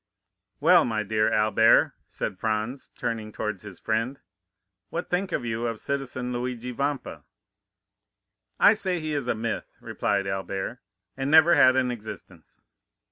20129m "Well, my dear Albert," said Franz, turning towards his friend; "what think you of citizen Luigi Vampa?" "I say he is a myth," replied Albert, "and never had an existence."